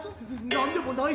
何でもない。